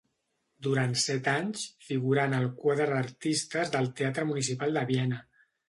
Durant set anys figurà en el quadre d'artistes del Teatre Municipal de Viena.